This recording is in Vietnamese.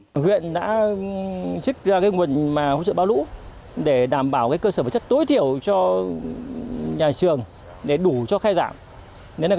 chính quyền huyện đã trích ra nguồn hỗ trợ báo lũ để đảm bảo cơ sở vật chất tối thiểu cho nhà trường để đủ cho khai giảng